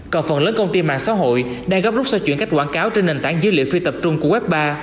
còn phần lớn công ty mạng xã hội đang góp rút xoay chuyển các quảng cáo trên nền tảng dữ liệu phi tập trung của web ba